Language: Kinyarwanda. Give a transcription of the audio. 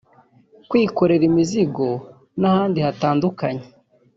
kwikorera imizigo n’ahandi hatandukanye